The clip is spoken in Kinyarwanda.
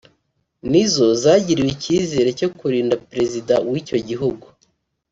ni zo zagiriwe icyizere cyo kurinda Perezida w’icyo gihugu